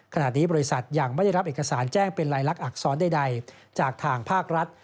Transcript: ขณะนี้บริษัทยังไม่ได้รับเอกสารแจ้งเป็นลายลักษณอักษรใดจากทางภาครัฐ